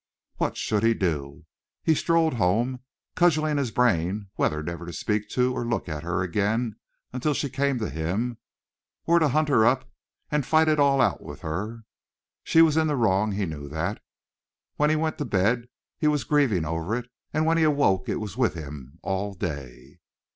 What should he do? He strolled home cudgelling his brain whether never to speak to or look at her again until she came to him, or to hunt her up and fight it all out with her. She was in the wrong, he knew that. When he went to bed he was grieving over it, and when he awoke it was with him all day.